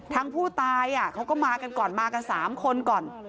ทางผู้ตายเขาก็มากันก่อนมากัน๓คนก่อน